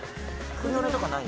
クリオネとかない？